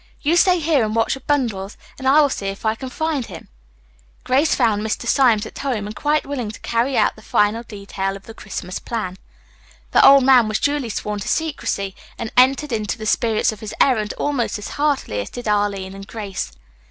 You stay here and watch the bundles and I will see if I can find him." Grace found Mr. Symes at home and quite willing to carry out the final detail of the Christmas plan. The old man was duly sworn to secrecy and entered into the spirit of his errand almost as heartily as did Arline and Grace.